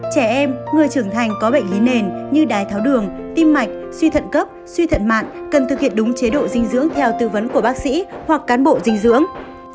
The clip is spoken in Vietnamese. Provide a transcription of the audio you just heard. trẻ em người trưởng thành có bệnh lý nền như đái tháo đường tim mạch suy thận cấp suy thận mạn cần thực hiện đúng chế độ dinh dưỡng theo tư vấn của bác sĩ hoặc cán bộ dinh dưỡng